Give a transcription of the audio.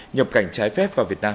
nhập cảnh trái phép vào việt nam